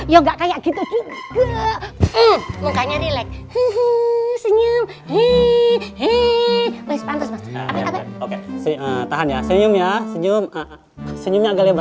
ya nggak kayak gitu juga mukanya rileks senyum he he he